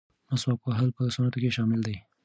مسواک وهل په سنتو کې شامل دي.